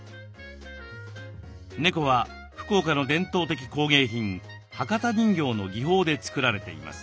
猫は福岡の伝統的工芸品「博多人形」の技法で作られています。